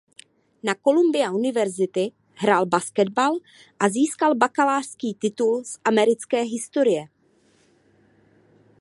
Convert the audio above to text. Na Columbia University hrál basketbal a získal bakalářský titul z americké historie.